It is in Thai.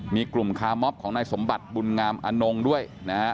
มีกลุ่มคาร์มอบของนายสมบัติบุญงามอนงด้วยนะฮะ